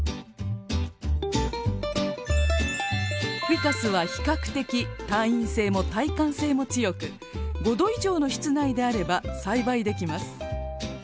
フィカスは比較的耐陰性も耐寒性も強く５℃以上の室内であれば栽培できます。